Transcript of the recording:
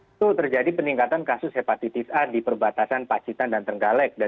itu terjadi peningkatan kasus hepatitis a di perbatasan pacitan dan trenggalek